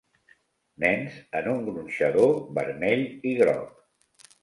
Nens en un gronxador vermell i groc.